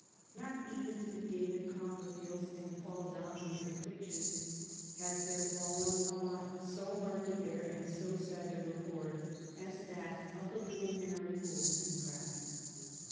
'* Not even to the David Copperfields and Paul Dombeys of fiction has there fallen a lot so hard to bear and so sad to record^ as that of the little Mary Wollstonecraft.